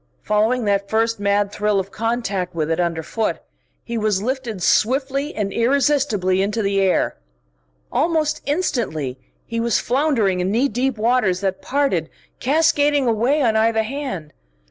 Following that first mad thrill of contact with it underfoot, he was lifted swiftly and irresistibly into the air. Almost instantly he was floundering in knee deep waters that parted, cascading away on either hand.